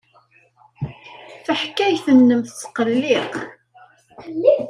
Taḥkayt-nnem tesqelliq.